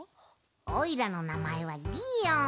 おいらのなまえはギーオン！